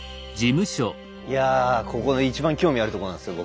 いやここいちばん興味あるとこなんですよ